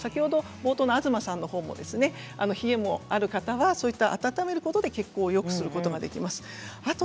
冒頭の東さんのように冷えがある方は温めることで血行をよくすることができます。